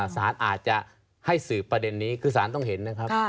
สารอาจจะให้สืบประเด็นนี้คือสารต้องเห็นนะครับ